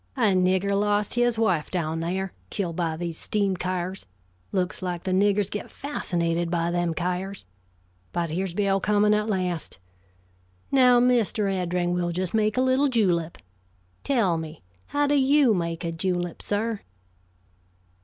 A nigger lost his wife down there, killed by these steam kyars looks like the niggers get fascinated by them kyars. But here's Bill coming at last. Now, Mr. Eddring, we'll just make a little julep. Tell me, how do you make a julep, sir?"